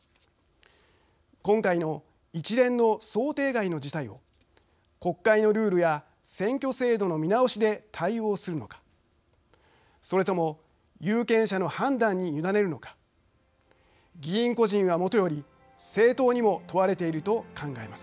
今回の一連の想定外の事態を国会のルールや選挙制度の見直しで対応するのかそれとも有権者の判断に委ねるのか議員個人はもとより政党にも問われていると考えます。